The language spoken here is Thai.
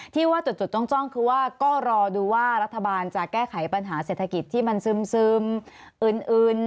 ที่ว่าจดจ้องคือว่าก็รอดูว่ารัฐบาลจะแก้ไขปัญหาเศรษฐกิจที่มันซึมอื่น